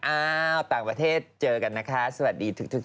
อ้าวต่างประเทศเจอกันนะคะสวัสดีทุกคน